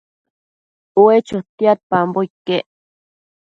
ue chotiadpambo iquec